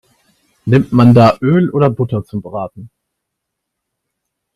Nimmt man da Öl oder Butter zum Braten?